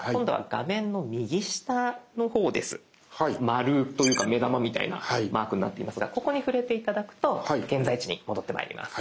丸というか目玉みたいなマークになっていますがここに触れて頂くと現在地に戻ってまいります。